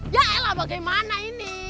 yah eh lah bagaimana ini